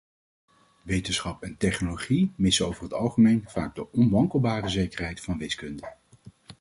Wetenschap en technologie missen over het algemeen vaak de onwankelbare zekerheid van wiskunde.